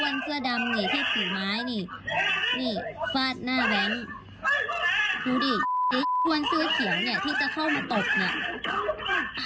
เมื่อเช้ามาเอาอุงบัตรไปทำงานนะเอาหมาไปขี้ตรงเสาไฟฟ้าตั้งอุงบัตร